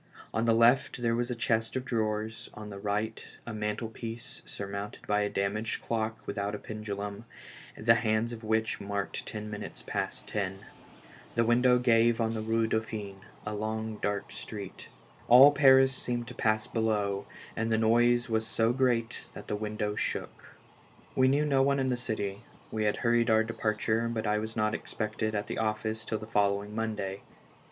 On the left there was a chest of drawers, on the right a mantlepiece surmounted by a damaged clock without a pendulum, the hands of which marked ten minutes past ten. The window gave on the Bue Dauphine, a long, dark street. All Paris seemed to pass below, and the noise was so great that the window shook. We knew no one in the city; we had hurried our departure, but I was not expected at the office till the following Monday.